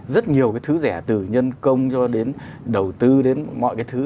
rất nhiều cái thứ rẻ từ nhân công cho đến đầu tư đến mọi cái thứ